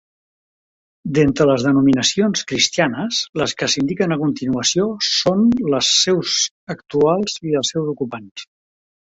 D'entre les denominacions cristianes, les que s'indiquen a continuació són les seus actuals i els seus ocupants.